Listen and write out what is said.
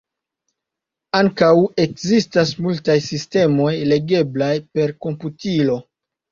Ankaŭ ekzistas multaj sistemoj legeblaj per komputilo.